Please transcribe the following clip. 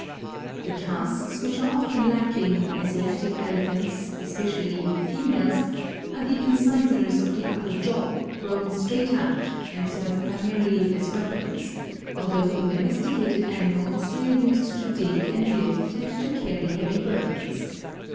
The tusks, which are often lacking in Asiatic Elephants, especially in the females, are the incisors of the upper jaw, grown straight out, and serve primarily as weapons, although in domesticated animals they are used to dig and lift and to carry heavy burdens.